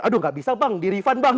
aduh gak bisa bang dirifan bang